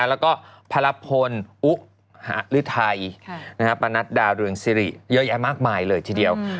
แล้วก็พระพลอุทัยปะนัดดาเรืองสิริเยอะแยะมากมายเลยทีเดียว